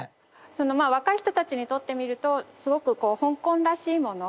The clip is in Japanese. そのまあ若い人たちにとってみるとすごくこう香港らしいもの